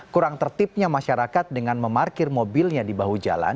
kurang tertibnya masyarakat dengan memarkir mobilnya di bahu jalan